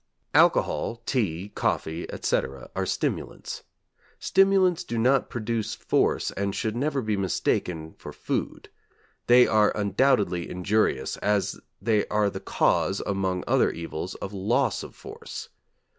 Alcohol, tea, coffee, etc., are stimulants. Stimulants do not produce force and should never be mistaken for food. They are undoubtedly injurious, as they are the cause, among other evils, of loss of force.